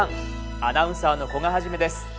アナウンサーの古賀一です。